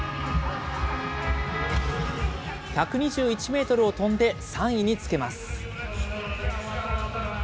１２１メートルを飛んで３位につけます。